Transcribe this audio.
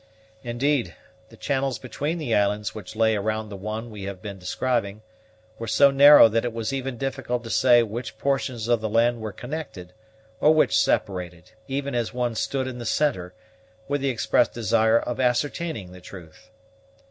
Indeed, the channels between the islands which lay around the one we have been describing were so narrow that it was even difficult to say which portions of the land were connected, or which separated, even as one stood in the centre, with the express desire of ascertaining the truth.